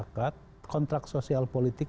kontrak sosial politik dan kontrak sosial politik